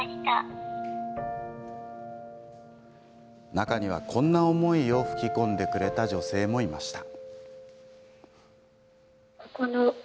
中にはこんな思いを吹き込んでくれた女性もいました。